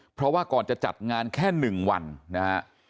เพราะว่าก่อนจะจัดงานแค่๑วันนะฮะ